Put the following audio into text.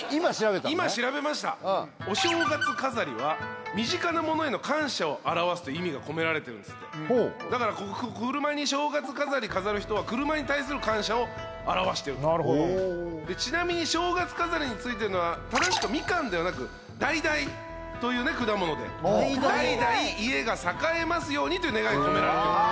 今調べましたお正月飾りは身近なものへの感謝を表すという意味が込められてるんですってだから車に正月飾り飾る人は車に対する感謝を表してるとでちなみに正月飾りについてるのは正しくはみかんではなく橙という果物で代々家が栄えますようにという願いが込められているあ